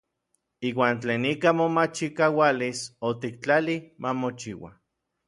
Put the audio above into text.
Iuan tlen ika momachikaualis otiktlalij ma mochiua.